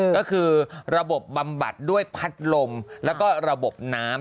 ก็คือระบบบำบัดด้วยพัดลมแล้วก็ระบบน้ำ